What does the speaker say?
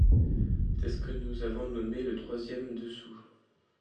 C’est ce que nous avons nommé le troisième dessous.